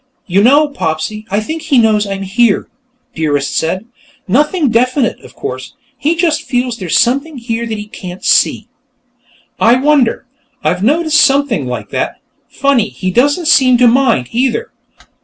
"You know, Popsy, I think he knows I'm here," Dearest said. "Nothing definite, of course; he just feels there's something here that he can't see." "I wonder. I've noticed something like that. Funny, he doesn't seem to mind, either.